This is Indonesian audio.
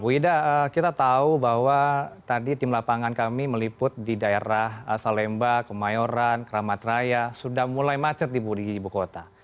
bu ida kita tahu bahwa tadi tim lapangan kami meliput di daerah salemba kemayoran keramat raya sudah mulai macet di budi ibu kota